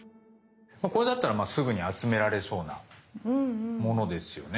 これだったらすぐに集められそうなものですよね。